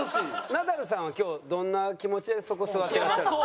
ナダルさんは今日どんな気持ちでそこ座ってらっしゃるんですか？